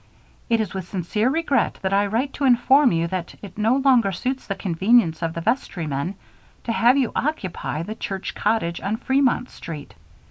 "It is with sincere regret that I write to inform you that it no longer suits the convenience of the vestrymen to have you occupy the church cottage on Fremont Street.